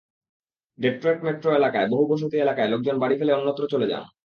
Detroit metro এলাকার বহু বসতি এলাকায় লোকজন বাড়ি ফেলে অন্যত্র চলে যান।